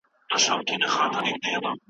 که دا هم نه سې کولای